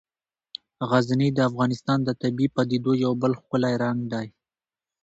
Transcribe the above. غزني د افغانستان د طبیعي پدیدو یو بل ښکلی رنګ دی.